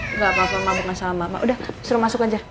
nggak apa apa mama bukan salah mama udah suruh masuk aja